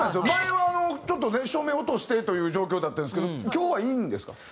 前はちょっとね照明落としてという状況だったんですけど今日はいいんですか？